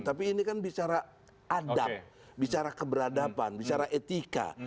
tapi ini kan bicara adab bicara keberadaban bicara etika